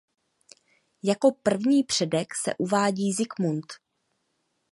Jako první předek se uvádí Zikmund.